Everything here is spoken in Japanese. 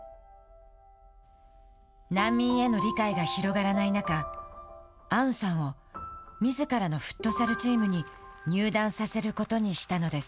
難民への理解が広がらない中アウンさんをみずからのフットサルチームに入団させることにしたのです。